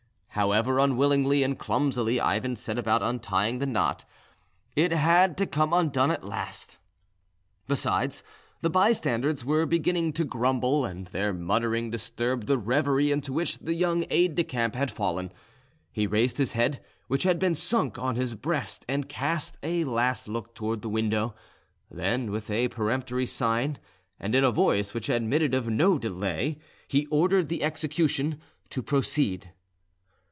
However unwillingly and clumsily Ivan set about untying the knot, it had to come undone at last. Besides, the bystanders were beginning to grumble, and their muttering disturbed the reverie into which the young aide de camp had fallen. He raised his head, which had been sunk on his breast, and cast a last look towards the window; then with a peremptory sign; and in a voice which admitted of no delay, he ordered the execution to proceed.